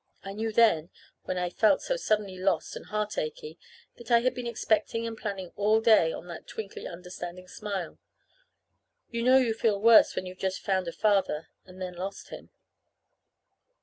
I knew then, when I felt so suddenly lost and heart achey, that I had been expecting and planning all day on that twinkly understanding smile. You know you feel worse when you've just found a father and then lost him!